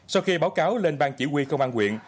sau khi báo cáo lên bang chỉ huy công an quyện